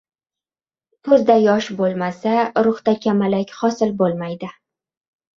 • Ko‘zda yosh bo‘lmasa, ruhda kamalak hosil bo‘lmaydi.